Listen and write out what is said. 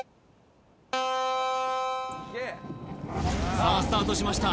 さあスタートしました